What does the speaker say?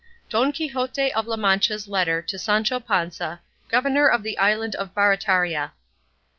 DON QUIXOTE OF LA MANCHA'S LETTER TO SANCHO PANZA, GOVERNOR OF THE ISLAND OF BARATARIA.